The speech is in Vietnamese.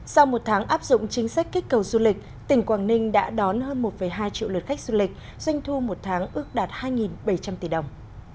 sau một tháng áp dụng chính sách kích cầu du lịch tỉnh quảng ninh đã đón hơn một hai triệu lượt khách du lịch doanh thu một tháng ước đạt hai bảy trăm linh tỷ đồng